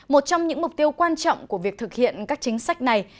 một trong những mục tiêu quan trọng của việc thực hiện các chính sách này